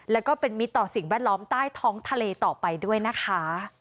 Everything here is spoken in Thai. แล้วก็เป็นมิตรต่อสิ่งแวดล้อมใต้ท้องทะเลต่อไปด้วยนะคะ